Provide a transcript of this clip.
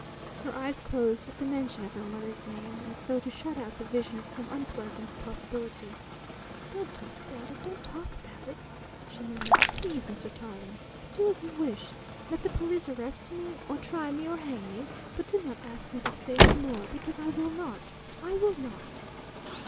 Her eyes closed at the mention of her mother's name, as though to shut out the vision of some unpleasant possibility. "Don't talk about it, don't talk about it!" she murmured, "please, Mr. Tarling! Do as you wish. Let the police arrest me or try me or hang me but do not ask me to say any more, because I will not, I will not!"